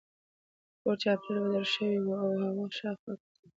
د کور چاپیریال بدل شوی و او هغه شاوخوا کتل